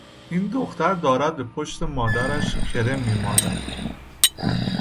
این دختر دارد به پشت مادرش کرم میمالد.